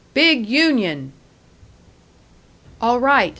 "Big union!" "All right.